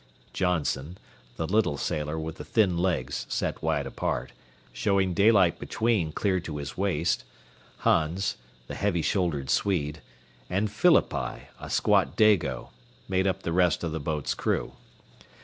Johnson, the little sailor with the thin legs set wide apart, showing daylight between clear to his waist, Hans, the heavy shouldered Swede, and Phillippi, a squat Dago, made up the rest of the boat's crew.